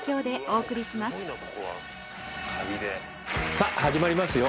さぁ始まりますよ